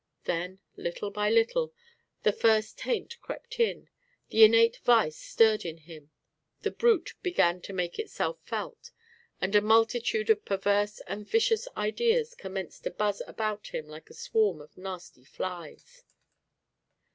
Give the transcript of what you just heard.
Then little by little the first taint crept in, the innate vice stirred in him, the brute began to make itself felt, and a multitude of perverse and vicious ideas commenced to buzz about him like a swarm of nasty flies.